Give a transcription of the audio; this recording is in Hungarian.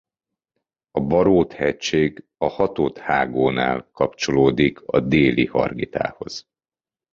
A Barót-hegység a Hatod-hágónál kapcsolódik a Déli-Hargitához.